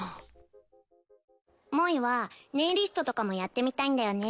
萌はネイリストとかもやってみたいんだよね。